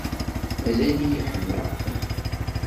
Mazal-iyi ḥemmleɣ-ken.